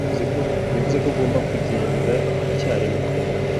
[Matama] Yavuze ko agomba kugenda icyarimwe.